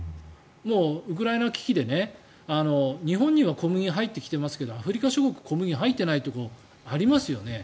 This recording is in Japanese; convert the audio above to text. ウクライナ危機で日本には小麦が入ってきてますけどアフリカ諸国小麦が入ってないところありますよね。